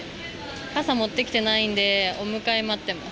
傘持ってきてないんで、お迎え待ってます。